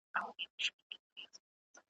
علم شیطان دی خلک تېرباسي ,